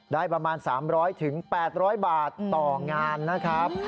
ได้ประมาณ๓๐๐๘๐๐บาทต่องานนะครับ